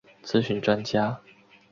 咨询专家